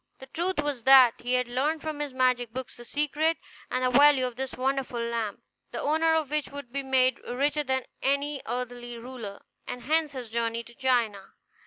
The truth was that he had learned from his magic books the secret and the value of this wonderful lamp, the owner of which would be made richer than any earthly ruler, and hence his journey to China.